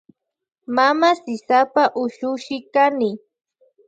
Mama sisapa ushushi kani.